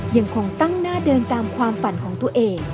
ยังคงตั้งหน้าเดินตามความฝันของตัวเอง